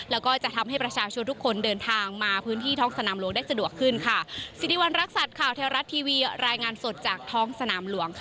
แล้วก็จะทำให้ประชาชนทุกคนเดินทางมาพื้นที่ท้องสนามหลวงได้สะดวกขึ้นค่ะ